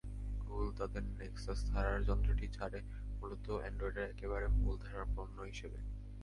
Google তাদের Nexus ধারার যন্ত্রটি ছাড়ে মূলত অ্যান্ড্রয়েডের একেবারে মূল ধারার পণ্য হিসেবে।